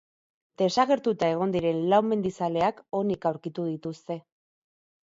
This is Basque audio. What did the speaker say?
Desagertuta egon diren lau mendizaleak onik aurkitu dituzte.